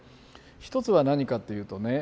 一つは何かっていうとね